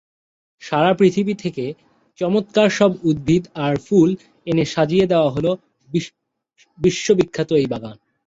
সারা পৃথিবী থেকে চমৎকার সব উদ্ভিদ আর ফুল এনে সাজিয়ে দেয়া হল বিশ্ববিখ্যাত এই বাগান।